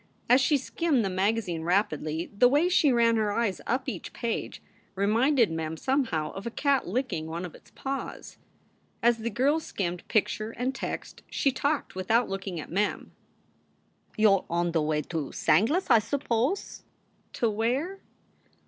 As she skimmed the magazine rapidly the way she ran her eyes up each page reminded Mem somehow of a cat licking one of its paws. As the girl skimmed picture and text, she talked without looking at Mem :" You re on the way to Sanglus, I s pose." "To where?"